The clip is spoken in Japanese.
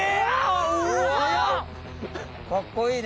かっこいいね。